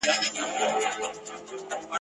دا خرقه مي د عزت او دولت دام دی ..